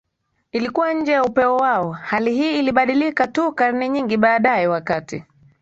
Ilikuwa nje ya upeo wao Hali hii ilibadilika tu karne nyingi baadaye wakati